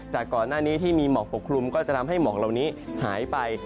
ก่อนหน้านี้ที่มีหมอกปกคลุมก็จะทำให้หมอกเหล่านี้หายไป